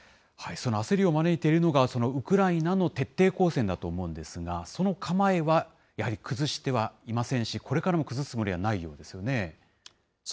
その焦りを招いているのがそのウクライナの徹底抗戦だと思うんですが、その構えはやはり崩してはいませんし、これからも崩すつもりはなそうですね。